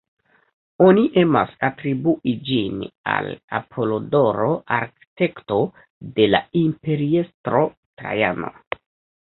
Oni emas atribui ĝin al Apolodoro, arkitekto de la imperiestro Trajano.